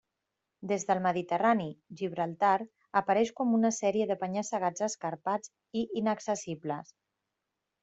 Des del Mediterrani, Gibraltar apareix com una sèrie de penya-segats escarpats i inaccessibles.